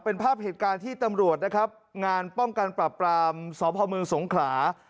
เป็นภาพเหตุการณ์ที่ตำรวจนะครับงานป้องกันปรับปรามสพเมืองสงขลา